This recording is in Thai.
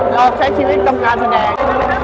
เราใช้ชีวิตกำลังไปแสดง